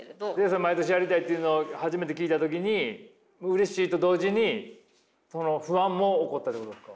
毎年やりたいっていうのを初めて聞いた時にうれしいと同時に不安も起こったということですか？